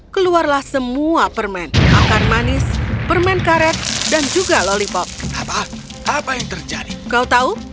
keluarlah semua permen akan manis permen karet dan juga lollypox apa apa yang terjadi kau tahu